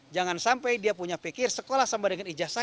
jangan sampai dia punya pikir sekolah sama dengan ijazah